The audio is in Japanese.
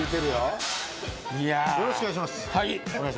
よろしくお願いします。